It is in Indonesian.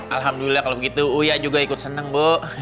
alhamdulillah kalau begitu uya juga ikut senang bu